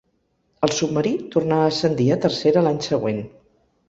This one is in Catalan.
El Submarí tornà a ascendir a Tercera l'any següent.